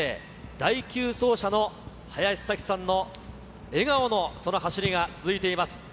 第９走者の林咲希さんの笑顔のその走りが続いています。